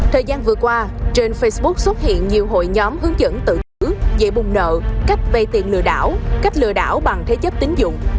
thời gian vừa qua trên facebook xuất hiện nhiều hội nhóm hướng dẫn tự tử dễ bùng nợ cách vay tiền lừa đảo cách lừa đảo bằng thế chấp tính dụng